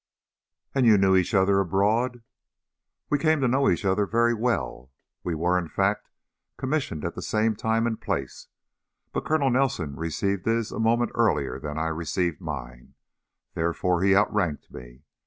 "And you knew each other abroad?" "We came to know each other very well. We were, in fact, commissioned at the same time and place, but Colonel Nelson received his a moment earlier than I received mine, therefore he outranked me.